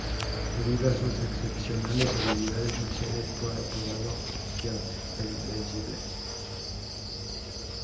Debido a sus excepcionales habilidades marciales fue apodado Yang, el Invencible.